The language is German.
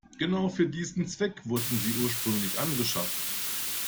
Genau für diesen Zweck wurden sie ursprünglich angeschafft.